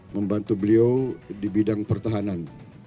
membantu beliau di bidang pertahanan